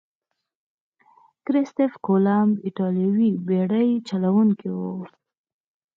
کرستف کولمب ایتالوي بیړۍ چلوونکی وو.